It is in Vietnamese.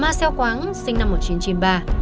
ma xeo khoáng sinh năm một nghìn chín trăm chín mươi ba